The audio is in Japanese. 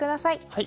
はい。